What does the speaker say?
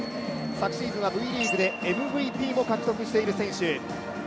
昨シーズンはＶリーグでＭＶＰも獲得している選手。